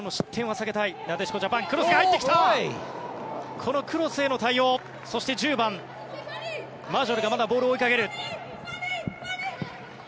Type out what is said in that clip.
このクロスへの対応そして１０番、マジョルがまだボールを追いかける。